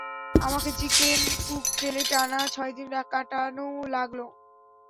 আমাকে chicken coop জেলে টানা ছয়দিন কাটানো লাগলো।